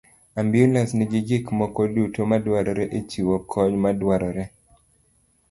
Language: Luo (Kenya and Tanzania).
Ambulans nigi gik moko duto madwarore e chiwo kony madwarore.